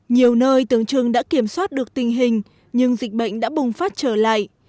nhiều nơi tưởng chừng đã kiểm soát được tình hình nhưng dịch bệnh đã bùng phát trở lại